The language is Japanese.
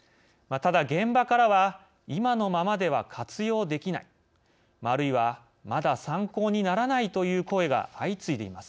ただ、現場からは「今のままでは活用できない」あるいは「まだ参考にならない」という声が相次いでいます。